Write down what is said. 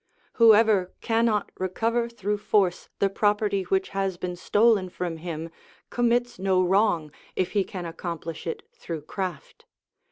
Whoever cannot recover through force the property which has been stolen from him, commits no wrong if he can accomplish it through craft.